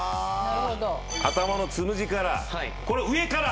頭のつむじから。